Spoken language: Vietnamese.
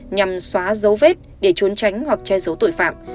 nhằm xóa dấu vết để trốn tránh hoặc che giấu tội phạm